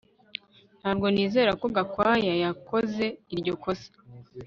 Ntabwo nizera ko Gakwaya yakoze iryo kosa